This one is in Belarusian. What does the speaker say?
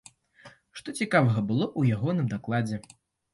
Што цікавага было ў ягоным дакладзе?